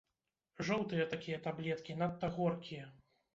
Жоўтыя такія таблеткі, надта горкія.